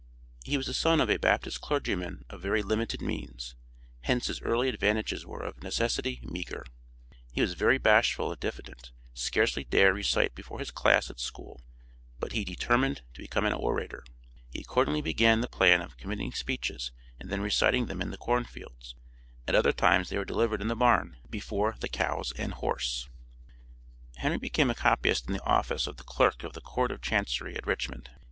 He was the son of a Baptist clergyman of very limited means, hence his early advantages were of necessity meager. He was very bashful and diffident, scarcely dare recite before his class at school, but he DETERMINED to BECOME AN ORATOR, he accordingly began the plan of committing speeches and then reciting them in the corn fields; at other times they were delivered in the barn, before the cows and horse. [Illustration: DETERMINATION. Engraved Expressly for "Hidden Treasures."] Henry became a copyist in the office of the clerk of the Court of Chancery, at Richmond.